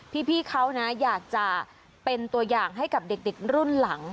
พี่เขานะอยากจะเป็นตัวอย่างให้กับเด็กรุ่นหลัง